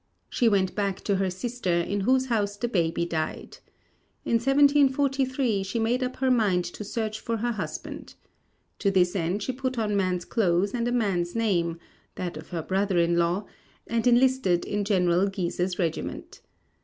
She went back to her sister, in whose house the baby died. In 1743, she made up her mind to search for her husband. To this end she put on man's clothes and a man's name (that of her brother in law) and enlisted in General Guise's regiment.